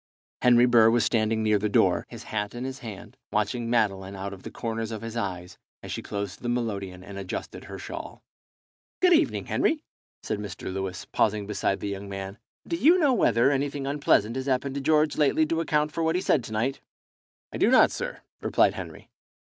Henry Burr was standing near the door, his hat in his hand, watching Madeline out of the corners of his eyes, as she closed the melodeon and adjusted her shawl. "Good evening, Henry," said Mr. Lewis, pausing beside the young man. "Do you know whether anything unpleasant has happened to George lately to account for what he said to night?" "I do not, sir," replied Henry.